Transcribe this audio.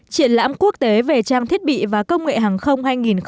triển lãm quốc tế về trang thiết bị và công nghệ hàng không hai nghìn một mươi chín